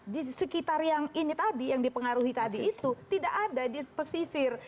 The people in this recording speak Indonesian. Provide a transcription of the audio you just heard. di sekitar yang ini tadi yang dipengaruhi tadi itu tidak ada di pesisir